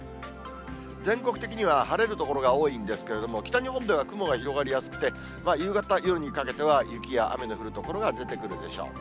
全国的には晴れる所が多いんですけれども、北日本では雲が広がりやすくて、夕方、夜にかけては雪や雨の降る所が出てくるでしょう。